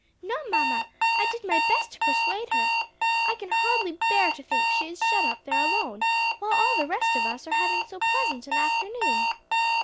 "No, mamma, I did my best to persuade her. I can hardly bear to think she is shut up there alone, while all the rest of us are having so pleasant an afternoon."